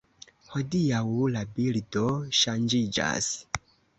Hodiaŭ la bildo ŝanĝiĝas.